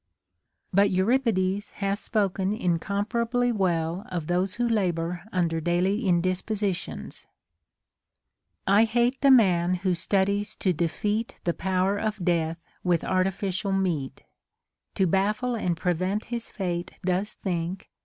But Euripides hath spoken incomparably well of those who labor under daily indispositions :— I hate the man who studies to defeat The power of death with artificial meat, To baffle and prevent his fate does think.